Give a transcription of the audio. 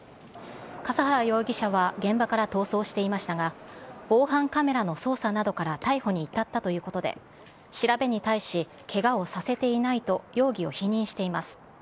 笠原容疑者は現場から逃走していましたが、防犯カメラの捜査などから逮捕に至ったということで、調べに対しけがをさせていないと、容疑を否認しています。